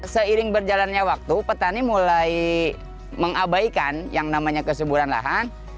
seiring berjalannya waktu petani mulai mengabaikan yang namanya kesuburan lahan